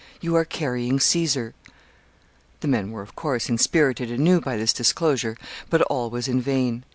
You are carrying Caesar." The men were, of course, inspirited anew by this disclosure, but all was in vain.